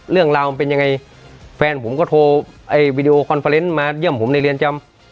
เรื่องราวมันเป็นยังไงแฟนผมก็โทรไอ้วีดีโอคอนเฟอร์เนสมาเยี่ยมผมในเรือนจำ